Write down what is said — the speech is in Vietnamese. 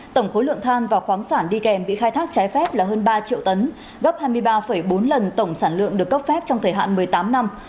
tổng khối lượng than và khoáng sản đi kèm bị khai thác trái phép là hơn ba triệu tấn gấp hai mươi ba bốn lần tổng sản lượng được cấp phép trong thời hạn một mươi tám năm